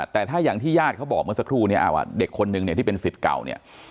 แต่ถ้าอย่างที่ญาติเขาบอกเมื่อสักครู่เนี่ยเด็กคนนึงเนี่ยที่เป็นสิทธิ์เก่าเนี่ย